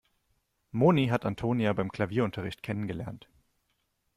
Moni hat Antonia beim Klavierunterricht kennengelernt.